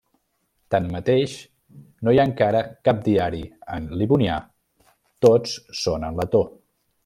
Tanmateix, no hi ha encara cap diari en livonià, tots són en letó.